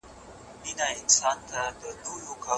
د دولت ارامتیا د خلګو لپاره ډیره ګټوره ده.